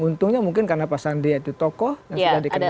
untungnya mungkin karena pak sandi itu tokoh yang sudah dikenal